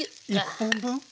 １本分。